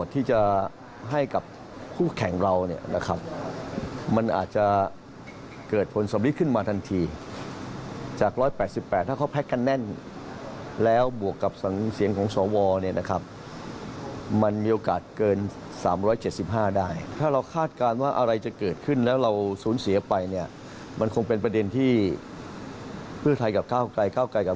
ที่จะให้กับคู่แข่งเราเนี่ยนะครับมันอาจจะเกิดผลสำริดขึ้นมาทันทีจาก๑๘๘ถ้าเขาแพ็คกันแน่นแล้วบวกกับเสียงของสวเนี่ยนะครับมันมีโอกาสเกิน๓๗๕ได้ถ้าเราคาดการณ์ว่าอะไรจะเกิดขึ้นแล้วเราสูญเสียไปเนี่ยมันคงเป็นประเด็นที่เพื่อไทยกับก้าวไกลเก้าไกลกับ